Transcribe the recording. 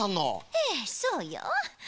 ええそうよ。